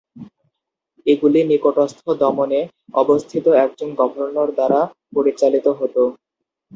এগুলি নিকটস্থ দমনে অবস্থিত একজন গভর্নর দ্বারা পরিচালিত হতো।